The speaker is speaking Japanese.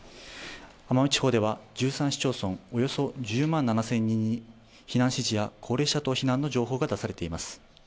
奄美地方では１３市町村およそ１０万７０００人に避難指示や高齢者等避難の情報が出されています。